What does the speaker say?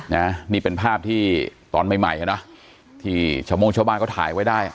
เนี่ยมีเป็นภาพที่ตอนใหม่ใแล้เนาะที่ชาวโมงชาวบ้านเขาถ่ายไว้ได้